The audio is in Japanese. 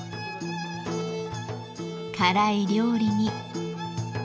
辛い料理に。